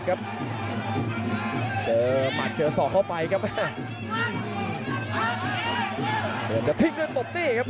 กระโดยสิ้งเล็กนี่ออกกันขาสันเหมือนกันครับ